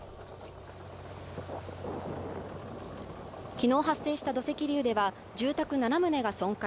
昨日発生した土石流では住宅７棟が損壊。